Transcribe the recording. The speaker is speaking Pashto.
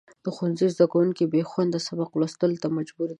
د ښوونځي زدهکوونکي د بېخونده سبق لوستلو ته مجبور دي.